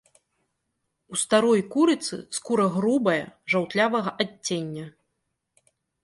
У старой курыцы скура грубая, жаўтлявага адцення.